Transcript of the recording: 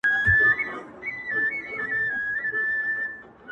ماته د پېغلي کور معلوم دی.!